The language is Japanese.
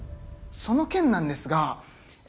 その件なんですがえ